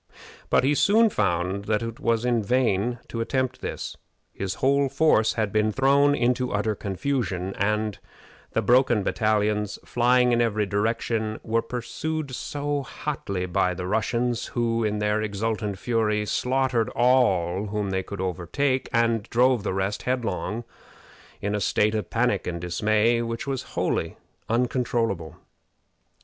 But he soon found that it was in vain to attempt this. His whole force had been thrown into utter confusion; and the broken battalions, flying in every direction, were pursued so hotly by the Russians, who, in their exultant fury, slaughtered all whom they could overtake, and drove the rest headlong on in a state of panic and dismay which was wholly uncontrollable.